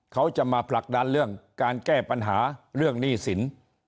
เขาจะมาผลักดันเรื่องการแก้ปัญหาเรื่องหนี้สิน